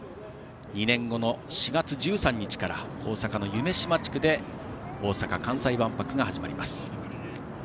２年後の４月１３日から大阪の夢洲地区で大阪・関西万博が始まります。